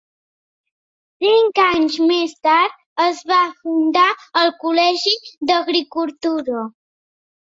Cinc anys més tard, es va fundar el Col·legi d'Agricultura.